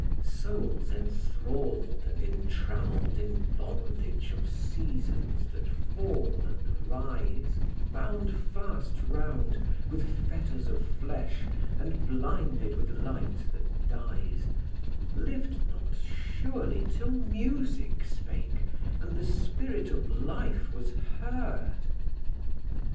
Souls enthralled and entrammelled in bondage of seasons that fall and rise, Bound fast round with the fetters of flesh, and blinded with light that dies, Lived not surely till music spake, and the spirit of life was heard.